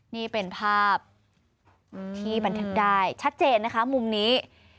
นี่เป็นภาพที่บันทึกได้ชัดเจนนะคะมุมนี้